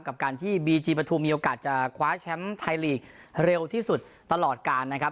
กับการที่บีจีปฐุมมีโอกาสจะคว้าแชมป์ไทยลีกเร็วที่สุดตลอดการนะครับ